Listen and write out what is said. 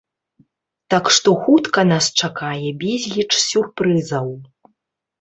Так што хутка нас чакае безліч сюрпрызаў.